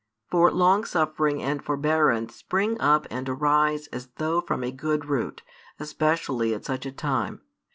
For long suffering and forbearance spring up and arise as though from a good root, especially at such a time.